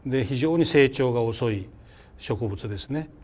非常に成長が遅い植物ですね。